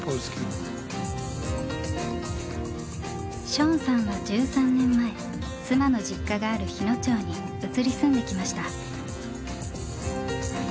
ショーンさんは１３年前妻の実家がある日野町に移り住んできました。